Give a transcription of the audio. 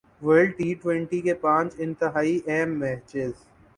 world T twenty کے پانچ انتہائی اہم میچز